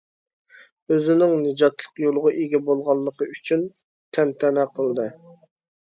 ئۆزىنىڭ نىجاتلىق يولىغا ئىگە بولغانلىقى ئۈچۈن تەنتەنە قىلدى.